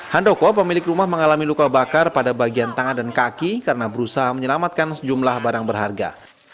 handoko pemilik rumah mengalami luka bakar pada bagian tangan dan kaki karena berusaha menyelamatkan sejumlah barang berharga